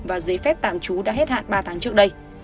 và giấy phép tạm trú đã hết hạn ba tháng trước đây